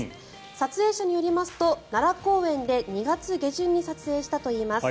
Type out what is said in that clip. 撮影者によりますと、奈良公園で２月下旬に撮影したといいます。